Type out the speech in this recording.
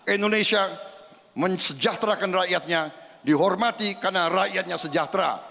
indonesia mensejahterakan rakyatnya dihormati karena rakyatnya sejahtera